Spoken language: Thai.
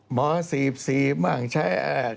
หมอสีบมั่งใช้